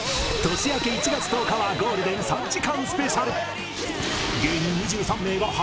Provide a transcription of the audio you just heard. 年明け１月１０日はゴールデン３時間スペシャル